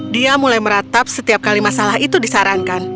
dia mulai meratap setiap kali masalah itu disarankan